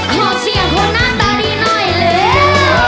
ขอเสี่ยงคนนั้นต่อดีหน่อยเลย